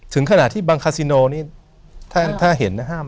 ถึงขณะที่บางคาซิโนนี้ถ้าเห็นนะ